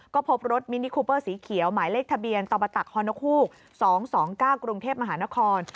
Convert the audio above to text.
ก็พบรถมินิคูเปอร์สีเขียวหมายเลขทะเบียนตบตฮนกฮูก๒๒๙กรุงเทพมหานคร